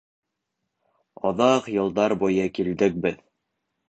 Оҙаҡ йылдар буйы килдек беҙ.